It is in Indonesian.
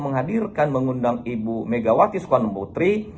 menghadirkan mengundang ibu megawati soekarno putri